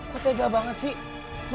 kok tega banget sih